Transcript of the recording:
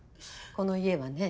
この家はね